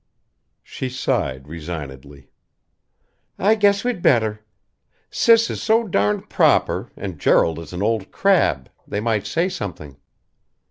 She sighed resignedly. "I guess we'd better. Sis is so darned proper and Gerald is an old crab they might say something."